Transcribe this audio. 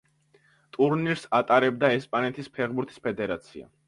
ტურნირს ატარებდა ესპანეთის ფეხბურთის ფედერაცია.